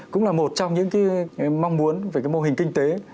cũng là một trong những cái mong muốn về cái mô hình kinh tế